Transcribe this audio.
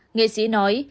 nghệ sĩ nói